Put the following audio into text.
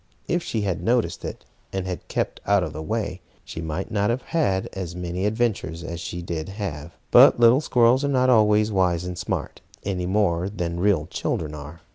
If she had noticed it, and had kept out of the way, she might not have had as many adventures as she did have. But little squirrels are not always wise and smart, any more than real children are.